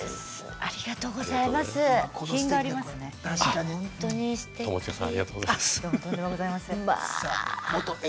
ありがとうござまあ